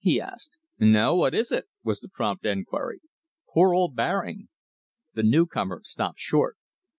he asked. "No! What is it?" was the prompt enquiry. "Poor old Baring " The newcomer stopped short.